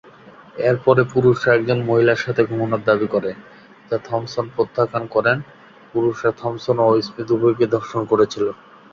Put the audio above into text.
এর পরে, পুরুষরা একজন "মহিলার সাথে ঘুমানোর" দাবি করে, যা থম্পসন প্রত্যাখ্যান করেন; পুরুষরা থম্পসন এবং স্মিথ উভয়কেই ধর্ষণ করেছিল।